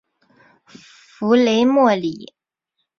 弗雷默里。